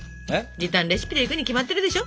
時短レシピでいくに決まってるでしょ。